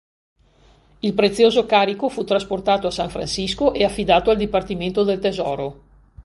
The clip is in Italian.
Il prezioso carico fu trasportato a San Francisco e affidato al dipartimento del Tesoro.